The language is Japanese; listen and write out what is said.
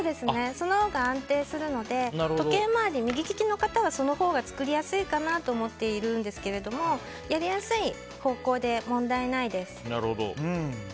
そのほうが安定するので時計回り、右利きの方はそのほうが作りやすいかなと思っているんですけれどもやりやすい方向で問題ないです。